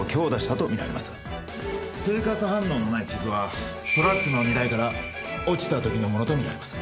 生活反応のない傷はトラックの荷台から落ちた時のものと見られます。